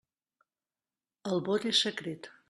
El vot és secret.